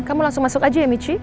kamu langsung masuk aja ya michi